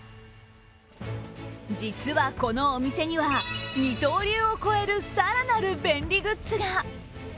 実はこのお店には二刀流を超える更なる便利グッズが。